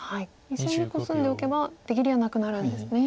２線にコスんでおけば出切りはなくなるんですね。